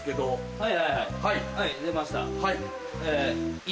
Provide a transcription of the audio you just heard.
はい。